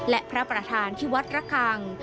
และพระประธานที่วัดระคัง